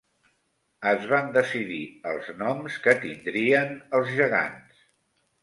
Es van decidir els noms que tindrien els gegants.